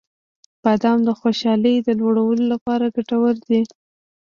• بادام د خوشحالۍ د لوړولو لپاره ګټور دی.